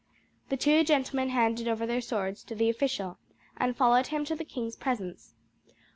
The two gentlemen handed over their swords to the official, and followed him to the king's presence.